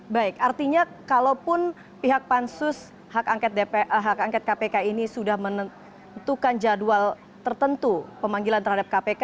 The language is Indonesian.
baik artinya kalaupun pihak pansus hak angket kpk ini sudah menentukan jadwal tertentu pemanggilan terhadap kpk